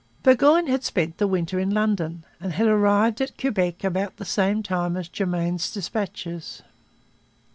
Burgoyne had spent the winter in London and had arrived at Quebec about the same time as Germain's dispatches.